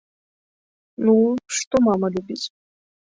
Ну, што мама любіць.